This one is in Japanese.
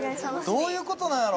どういうことなんやろ？